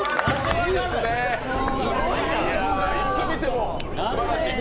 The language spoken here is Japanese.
いやーいつ見てもすばらしい。